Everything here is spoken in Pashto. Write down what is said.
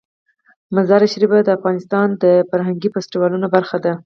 مزارشریف د افغانستان د فرهنګي فستیوالونو برخه ده.